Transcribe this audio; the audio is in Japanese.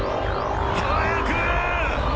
早く！